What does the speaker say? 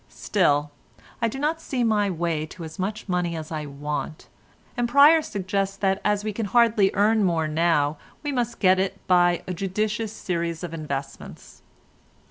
Still I do not see my way to as much money as I want, and Pryer suggests that as we can hardly earn more now we must get it by a judicious series of investments.